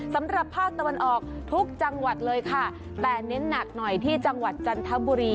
สำหรับภาคตะวันออกทุกจังหวัดเลยค่ะแต่เน้นหนักหน่อยที่จังหวัดจันทบุรี